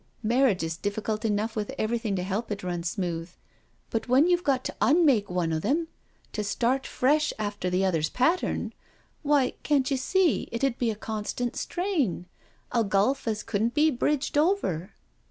Marriage is difficult enough with everything to help it run smooth, but when you've got to unmake one o' them to start fresh after the other's pattern, why, can't you see it ud be a constant strain, a gulf as couldn*t be bridged over?"